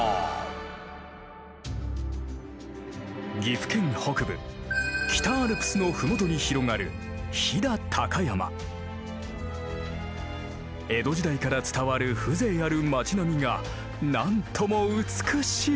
岐阜県北部北アルプスのふもとに広がる江戸時代から伝わる風情ある町並みが何とも美しい。